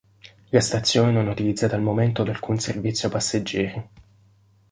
La stazione non è utilizzata al momento da alcun servizio passeggeri.